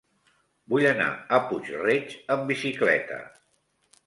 Vull anar a Puig-reig amb bicicleta.